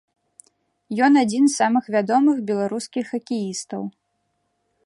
Ён адзін з самых вядомых беларускіх хакеістаў.